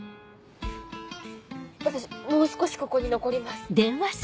私もう少しここに残ります。